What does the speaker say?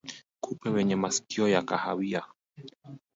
Kupe wenye masikio ya kahawia